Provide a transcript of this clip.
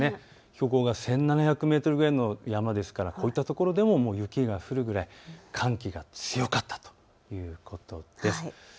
標高が１５００メートルぐらいの山ですからそういった所でも雪が降るぐらい寒気が強かったということです。